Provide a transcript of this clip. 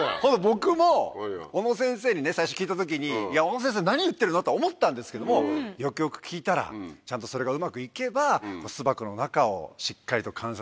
僕も小野先生に最初聞いた時に「いや小野先生何言ってるの？」とは思ったんですけどもよくよく聞いたらちゃんとそれがうまくいけば巣箱の中をしっかりと観察できて。